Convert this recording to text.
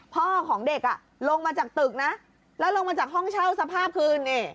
พ่อของเด็กลงมาจากตึกนะแล้วลงมาจากห้องเช่าสภาพคือนี่